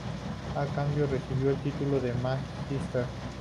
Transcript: A cambio recibió el título de magister.